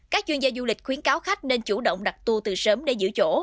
các chuyên gia du lịch khuyến cáo khách nên chủ động đặt tour từ sớm để giữ chỗ